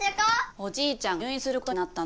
おじいちゃんが入院する事になったの。